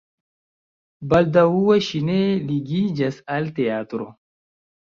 Baldaŭe ŝi ne ligiĝas al teatro.